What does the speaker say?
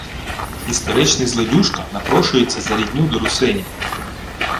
Історичний злодюжка напрошується за рідню до русинів